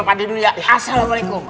pak d dulu ya assalamualaikum